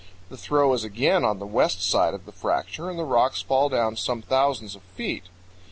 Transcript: The throw is again on the west side of the fracture and the rocks fall down some thousands of feet.